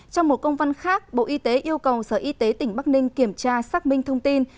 trong một công văn khác bộ y tế yêu cầu sở y tế tỉnh bắc ninh kiểm tra xác minh thông tin